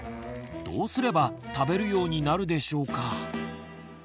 どうすれば食べるようになるでしょうか？